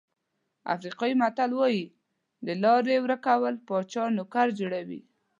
افریقایي متل وایي د لارې ورکول پاچا نوکر جوړوي.